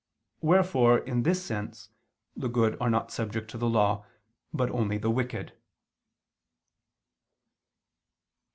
Wherefore in this sense the good are not subject to the law, but only the wicked.